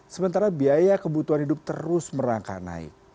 sementara biaya kebutuhan hidup terus merangkak naik